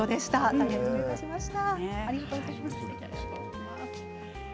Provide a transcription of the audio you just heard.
大変失礼いたしました。